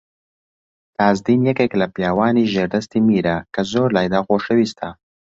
تاجدین یەکێک لە پیاوانی ژێردەستی میرە کە زۆر لایدا خۆشەویستە